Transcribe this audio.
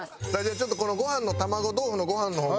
ちょっとこのご飯の玉子豆腐のご飯の方も。